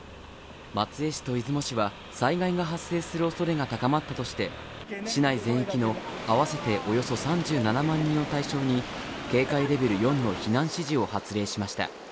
松江市と出雲市は、災害が発生するおそれが高まったとして、市内全域のあわせておよそ３７万人を対象に警戒レベル４の避難指示を発令しました。